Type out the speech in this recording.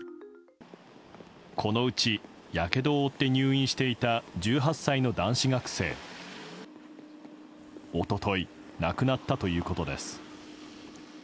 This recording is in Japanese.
このうち、やけどを負って入院していた１８歳の男子学生一昨日亡くなったということです。